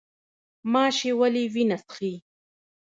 ماشی ولې وینه څښي؟